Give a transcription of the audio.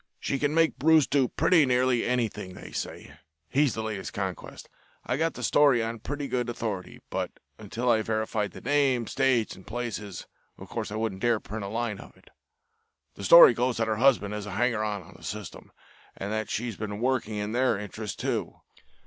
She can make Bruce do pretty nearly anything, they say. He's the latest conquest. I got the story on pretty good authority, but until I verified the names, dates, and places, of course I wouldn't dare print a line of it. The story goes that her husband is a hanger on of the System, and that she's been working in their interest, too.